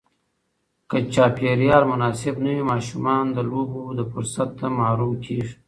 که چاپېریال مناسب نه وي، ماشومان د لوبو له فرصت محروم کېږي.